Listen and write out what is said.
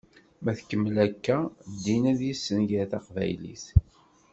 Ma tkemmel akka, ddin ad yessenger taqbaylit.